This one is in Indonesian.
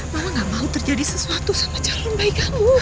mama gak mau terjadi sesuatu sama calon bayi kamu